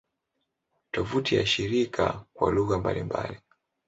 Tovuti ya shirika kwa lugha mbalimbali